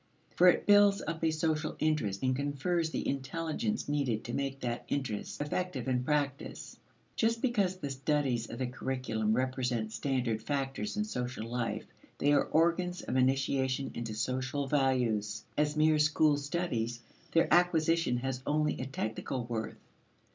For it builds up a social interest and confers the intelligence needed to make that interest effective in practice. Just because the studies of the curriculum represent standard factors in social life, they are organs of initiation into social values. As mere school studies, their acquisition has only a technical worth.